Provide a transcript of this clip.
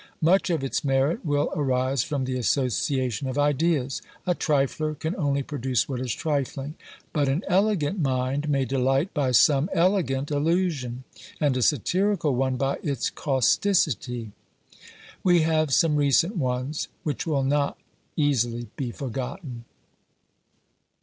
Much of its merit will arise from the association of ideas; a trifler can only produce what is trifling, but an elegant mind may delight by some elegant allusion, and a satirical one by its causticity. We have some recent ones, which will not easily be forgotten.